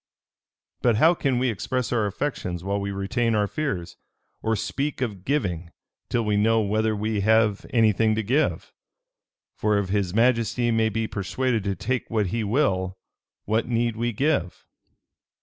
"But how can we express our affections while we retain our fears; or speak of giving, till we know whether we have any thing to give? For if his majesty may be persuaded to take what he will, what need we give?